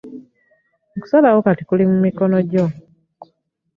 Okusalawo kati kuli mu mikono gyo.